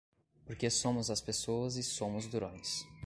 Porque somos as pessoas e somos durões!